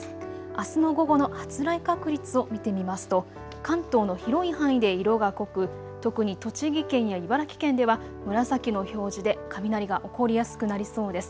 あすの午後の発雷確率を見てみますと関東の広い範囲で色が濃く特に栃木県や茨城県では紫の表示で雷が起こりやすくなりそうです。